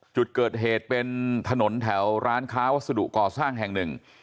จุดเกิดเหตุเป็นถนนแถวร้านค้าวัสดุก่อสร้างแห่งหนึ่ง